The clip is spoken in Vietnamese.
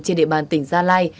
trên địa bàn tỉnh gia lai